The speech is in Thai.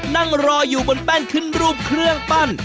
นั่งรออยู่บนแป้นขึ้นรูปเครื่องปั้น